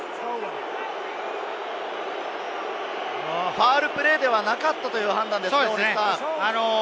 ファウルプレーではなかったという判断ですね。